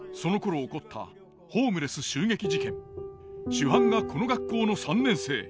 主犯がこの学校の３年生。